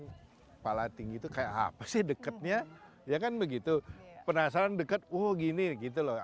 kepala tinggi itu kayak apa sih dekatnya ya kan begitu penasaran deket oh gini gitu loh